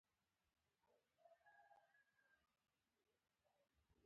دا سیمه زموږ د هیواد یو ویاړلی او زرین تاریخ لري